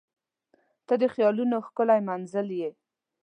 • ته د خیالونو ښکلی منزل یې.